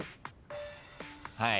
はい。